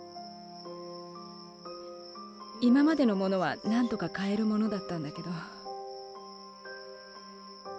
今までのものはなんとか買えるものだったんだけど。